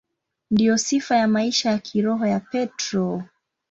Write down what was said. Ndiyo sifa ya maisha ya kiroho ya Petro.